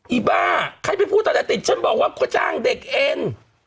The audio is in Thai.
อีบ้าใครไปพูดตอนนั้นติดฉันบอกว่าก็จ้างเด็กเอ็น